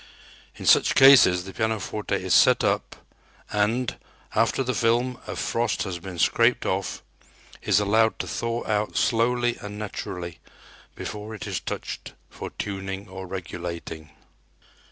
In such cases the pianoforte is set up and, after the film of frost has been scraped off, is allowed to thaw out slowly and naturally before it is touched for tuning or regulating.